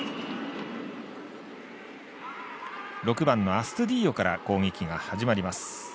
６番のアストゥディーヨから攻撃が始まります。